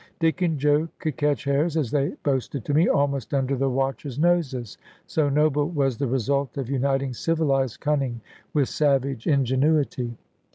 Dick and Joe could catch hares, as they boasted to me, almost under the watchers' noses; so noble was the result of uniting civilised cunning with savage ingenuity.